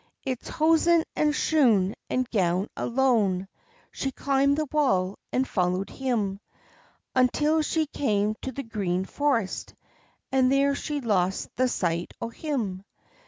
It's hosen and shoon, and gown alone, She climb'd the wall, and followed him, Until she came to the green forest, And there she lost the sight o' him.